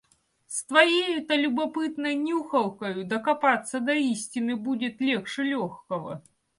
С твоею-то любопытной нюхалкою докопаться до истины будет легче лёгкого!